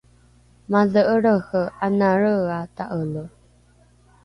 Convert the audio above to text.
madhe’elrehe ana reea ta’ele